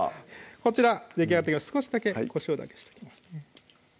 こちらできあがって少しだけこしょうだけしときます